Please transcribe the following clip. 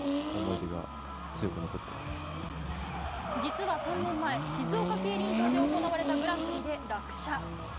実は３年前静岡競輪場で行われたグランプリで落車。